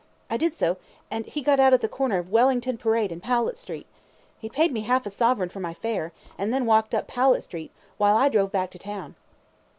I did so, and he got out at the corner of Wellington Parade and Powlett Street. He paid me half a sovereign for my fare, and then walked up Powlett Street, while I drove back to town.